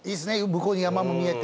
向こうに山も見えて。